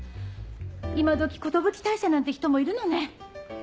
今どき寿退社なんて人もいるのね。